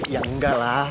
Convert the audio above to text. ya enggak lah